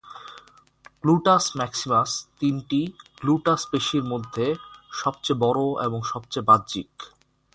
Gluteus maximus তিনটি gluteus পেশীর মধ্যে সবচেয়ে বড় এবং সবচেয়ে বাহ্যিক।